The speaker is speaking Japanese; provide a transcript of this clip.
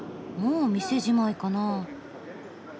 もう店じまいかな？